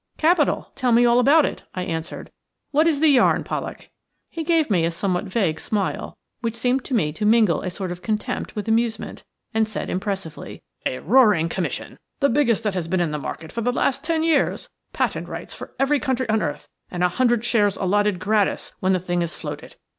"Capital. Tell me all about it," I answered. "What is the yarn, Pollak?" He gave me a somewhat vague smile, which seemed to me to mingle a sort of contempt with amusement, and said, impressively:– "A roaring commission, the biggest that has been in the market for the last ten years. Patent rights for every country on earth, and a hundred shares allotted gratis when the thing is floated.